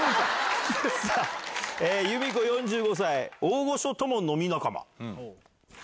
さあ、由美子４５歳、大御所とも飲み仲間。